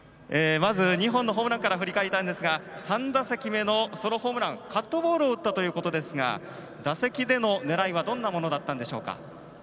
まず２本のホームランから振り返りたいんですが３打席目のソロホームランカットボールを打ったということですが打席での狙いはどんなものだったんでしょうか。